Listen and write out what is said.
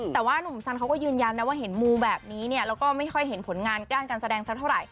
แต่ว่านุ่มสันเขาก็ยืนยันนะว่าเห็นมูแบบนี้เนี่ยแล้วก็ไม่ค่อยเห็นผลงานด้านการแสดงสักเท่าไหร